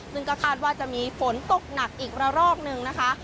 ซึ่งก็คาดว่าจะมีฝนตกหนักอีกระรอกหนึ่งนะคะ